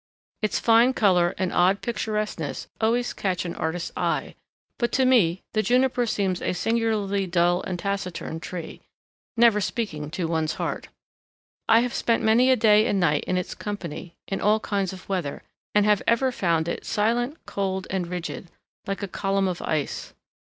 Its fine color and odd picturesqueness always catch an artist's eye, but to me the Juniper seems a singularly dull and taciturn tree, never speaking to one's heart. I have spent many a day and night in its company, in all kinds of weather, and have ever found it silent, cold, and rigid, like a column of ice.